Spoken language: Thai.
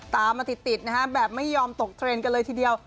ตามมาติดนะฮะแบบไม่ยอมตกเทรนด์กันเลยทีเดียว